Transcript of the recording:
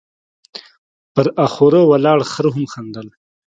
، پر اخوره ولاړ خره هم خندل،